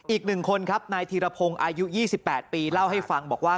อีก๑คนครับนายธีรพงศ์อายุ๒๘ปีเล่าให้ฟังบอกว่า